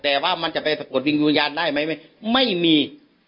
แต่ว่ามันจะไปสะกดวิญญาณได้ไหมไม่มี